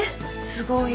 すごい。